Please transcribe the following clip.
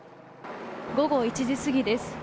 午後１時過ぎです。